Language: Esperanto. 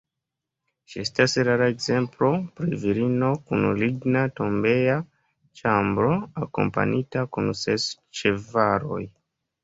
Ĝi estas rara ekzemplo pri virino kun ligna tombeja ĉambro, akompanita kun ses ĉevaloj.